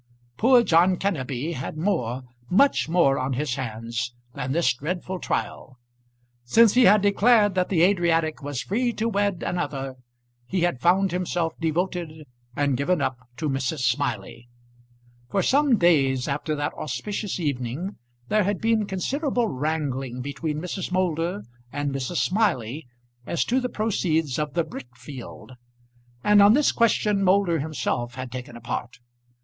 Poor John Kenneby had more much more, on his hands than this dreadful trial. Since he had declared that the Adriatic was free to wed another, he had found himself devoted and given up to Mrs. Smiley. For some days after that auspicious evening there had been considerable wrangling between Mrs. Moulder and Mrs. Smiley as to the proceeds of the brick field; and on this question Moulder himself had taken a part.